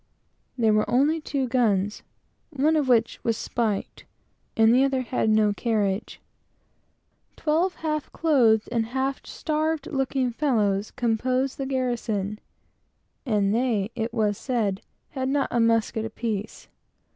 There were only two guns, one of which was spiked, and the other had no carriage. Twelve, half clothed, and half starved looking fellows, composed the garrison; and they, it was said, had not a musket apiece.